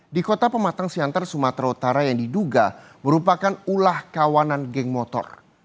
di kota pematang siantar sumatera utara yang diduga merupakan ulah kawanan geng motor